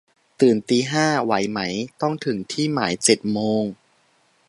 ตื่นตีห้า ไหวไหม ต้องถึงที่หมายเจ็ดโมง